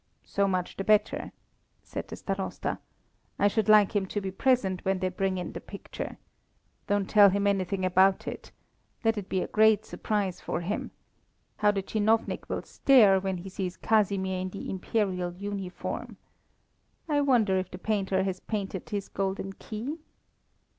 "So much the better," said the Starosta. "I should like him to be present when they bring in the picture. Don't tell him anything about it. Let it be a great surprise for him. How the chinovnik will stare when he sees Casimir in the imperial uniform! I wonder if the painter has painted his golden key?"